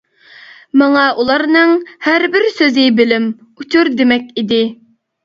ماڭا ئۇلارنىڭ ھەربىر سۆزى بىلىم، ئۇچۇر دېمەك ئىدى.